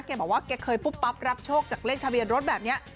บอกว่าแกเคยปุ๊บปั๊บรับโชคจากเลขทะเบียนรถแบบนี้